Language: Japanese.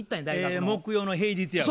木曜の平日やわ。